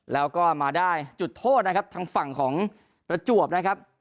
แล้วก็มาได้จุดโทษนะครับทางฝั่งของประจวบนะครับ